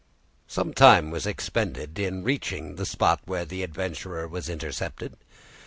Some time was expended in reaching the spot where the adventurer was intercepted.